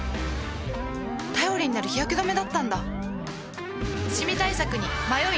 頼りになる日焼け止めだったんだ